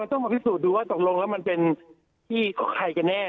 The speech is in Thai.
มันต้องมาพิสูจน์ดูว่าตรงรวมแล้วมันเป็นใครกันแน่